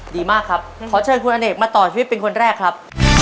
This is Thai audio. ดีมากครับขอเชิญคุณอเนกมาต่อชีวิตเป็นคนแรกครับ